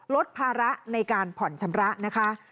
ลดภาระในการผ่อนชำระนะคะ